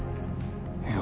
いや。